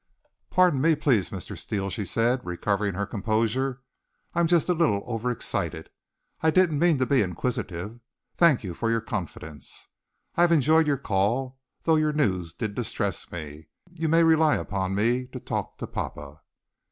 "Pardon me, please, Mr. Steele," she said, recovering her composure. "I am just a little overexcited. I didn't mean to be inquisitive. Thank you for your confidence. I've enjoyed your call, though your news did distress me. You may rely upon me to talk to papa."